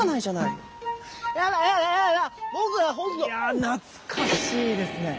いやぁ懐かしいですね。